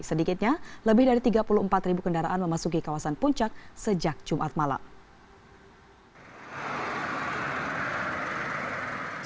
sedikitnya lebih dari tiga puluh empat ribu kendaraan memasuki kawasan puncak sejak jumat malam